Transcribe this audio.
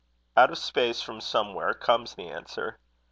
Out of space from somewhere comes the answer.